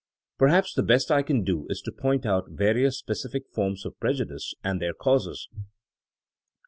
Perhaps the best I can do is to point out various specific forms of prejudice and their causes.